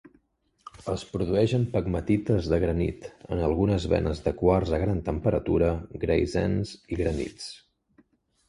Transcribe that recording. Es produeix en pegmatites de granit, en algunes venes de quars a gran temperatura, greisens i granits.